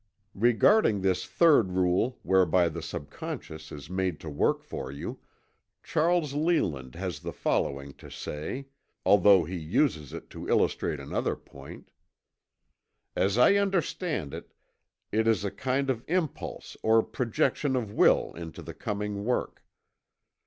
Regarding this third rule whereby the subconsciousness is made to work for you, Charles Leland has the following to say, although he uses it to illustrate another point: "As I understand it, it is a kind of impulse or projection of will into the coming work.